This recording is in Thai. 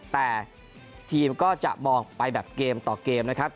แต่ทีมก็จะมองไปแบบเกมต่อเกมนะครับ